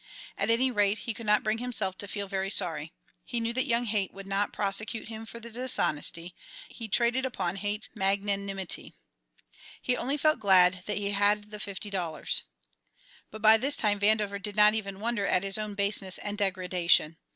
At any rate, he could not bring himself to feel very sorry. He knew that young Haight would not prosecute him for the dishonesty; he traded upon Haight's magnanimity; he only felt glad that he had the fifty dollars. But by this time Vandover did not even wonder at his own baseness and degradation.